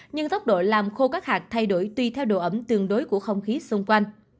nhưng tốc độ làm khô các hạt thay đổi tùy theo độ ẩm tương đối của không khí xung quanh